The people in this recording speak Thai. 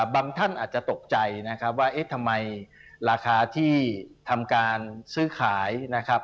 ท่านอาจจะตกใจนะครับว่าเอ๊ะทำไมราคาที่ทำการซื้อขายนะครับ